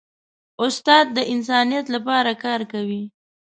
استاد د انسانیت لپاره کار کوي.